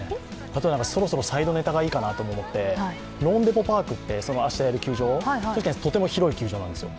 そろそろサイドネタがいいのかなと思ってローンデポ・パークって、明日やる球場、確かにとても広い球場なんですよ。